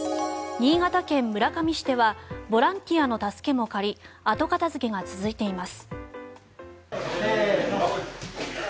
新潟県村上市ではボランティアの助けも借り後片付けが続いています。